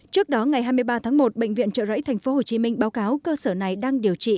trước đó ngày hai mươi ba tháng một bệnh viện trợ rẫy tp hcm báo cáo cơ sở này đang điều trị